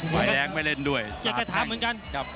ไฟแดงไม่เล่นด้วยซ้ายแทงอยากจะทำเหมือนกัน